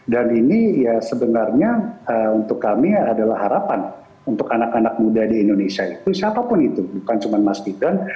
dan ini sebenarnya untuk kami adalah harapan untuk anak anak muda di indonesia itu siapapun itu bukan cuma mas gibran